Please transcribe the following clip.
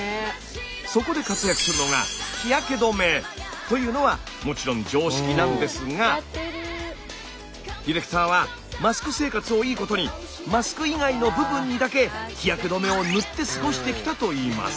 そこで活躍するのがというのはもちろん常識なんですがディレクターはマスク生活をいいことにマスク以外の部分にだけ日焼け止めを塗って過ごしてきたといいます。